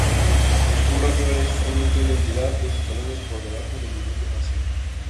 Un rayón es usualmente una entidad dos escalones por debajo del nivel de nación.